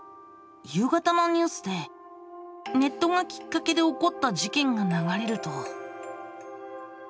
夕方のニュースでネットがきっかけで起こった事件が流れると。